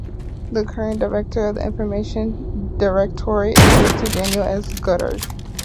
The current Director of the Information Directorate is Mr. Daniel S. Goddard.